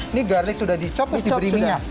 ini garlic sudah dicop atau diberi minyak